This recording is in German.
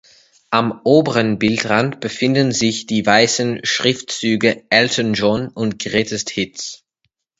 Am oberen Bildrand befinden sich die weißen Schriftzüge "Elton John" und "Greatest Hits".